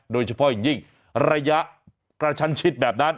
โดยเฉพาะอย่างยิ่งระยะกระชันชิดแบบนั้น